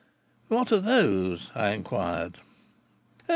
"What are those discs?" I inquired.